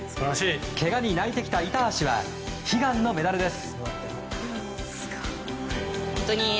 けがに泣いてきた板橋は悲願のメダルです。